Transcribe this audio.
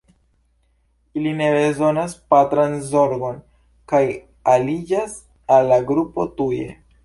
Ili ne bezonas patran zorgon kaj aliĝas al la grupo tuje.